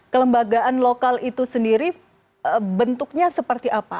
kelembagaan lokal itu sendiri bentuknya seperti apa